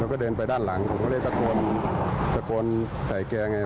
มันก็เดินไปด้านหลังมันก็เลยตะโกนใส่แก่ไง